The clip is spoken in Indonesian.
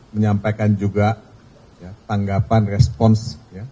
menyampaikan juga tanggapan respons